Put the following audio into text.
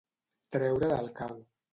Treure del cau.